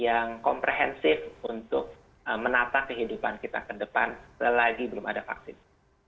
yang komprehensif untuk menata kehidupan kita ke depan selagi belum ada vaksin